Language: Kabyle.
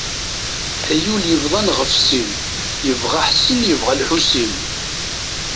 Ay ul yebḍan ɣef sin, yebɣa Ḥsen, yebɣa Lḥusin.